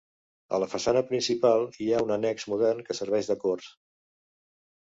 A la façana principal hi ha un annex modern que serveix de corts.